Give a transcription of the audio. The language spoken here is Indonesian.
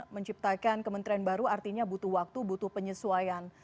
menciptakan kementerian baru artinya butuh waktu butuh penyesuaian